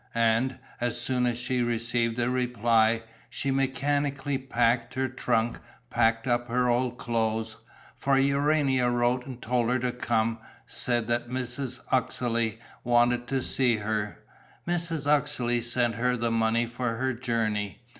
And, as soon as she received a reply, she mechanically packed her trunk, packed up her old clothes. For Urania wrote and told her to come, said that Mrs. Uxeley wanted to see her. Mrs. Uxeley sent her the money for her journey.